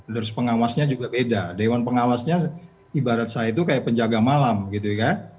terus pengawasnya juga beda dewan pengawasnya ibarat saya itu kayak penjaga malam gitu kan